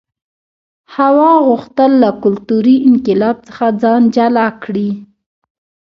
هوا غوښتل له کلتوري انقلاب څخه ځان جلا کړي.